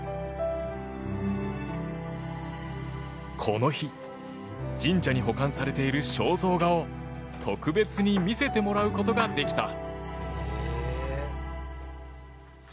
この日神社に保管されている肖像画を特別に見せてもらうことができた。